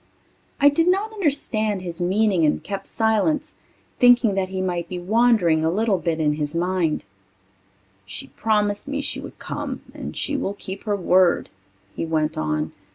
I did not understand his meaning and kept silence, thinking that he might be wandering a little in his mind. "She promised she would come and she will keep her word," he went on.